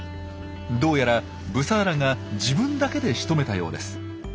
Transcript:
どうやらブサーラが自分だけでしとめたようです。